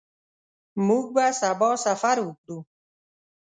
موږ به سبا سفر وکړو.